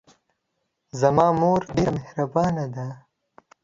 زما مور ډېره محربانه ده